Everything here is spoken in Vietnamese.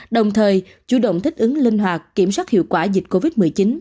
đồng thời chủ động thích ứng linh hoạt kiểm soát hiệu quả dịch covid một mươi chín